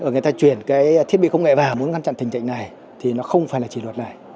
người ta chuyển cái thiết bị công nghệ vào muốn ngăn chặn tình trạng này thì nó không phải là chỉ luật này